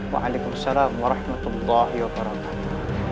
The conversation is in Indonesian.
waalaikumsalam warahmatullahi wabarakatuh